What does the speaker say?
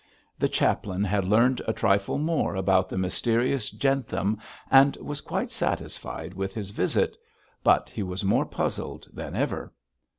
The chaplain had learned a trifle more about the mysterious Jentham and was quite satisfied with his visit; but he was more puzzled than ever.